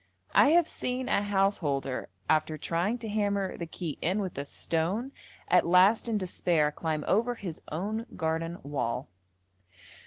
I have seen a householder after trying to hammer the key in with a stone, at last in despair climb over his own garden wall.